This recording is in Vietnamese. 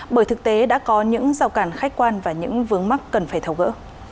bởi thực tế đã có những rào cản khách quan và những vướng mắt cần phải thấu gỡ